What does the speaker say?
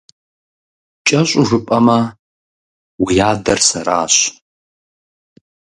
КӀэщӀу жыпӀэмэ, уи адэр сэращ…